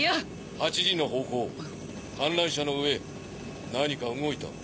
８時の方向観覧車の上何か動いた。